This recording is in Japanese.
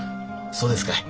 そうですかい。